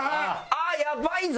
あっやばいぞ！